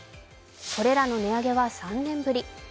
これらの値上げは３年ぶり。